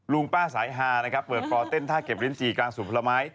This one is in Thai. ลูงป้าสายฮาเปิดป่อเต้นท่าเก็บริ้นจีก็ฯสูบประมาณ